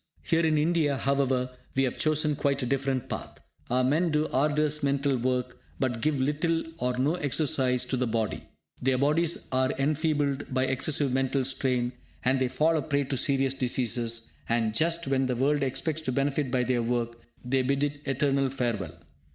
Here in India, however, we have chosen quite a different path! Our men do arduous mental work, but give little or no exercise to the body. Their bodies are enfeebled by excessive mental strain, and they fall a prey to serious diseases; and just when the world expects to benefit by their work, they bid it eternal farewell!